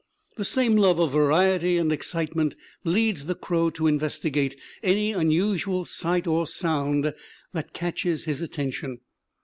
The same love of variety and excitement leads the crow to investigate any unusual sight or sound that catches his attention.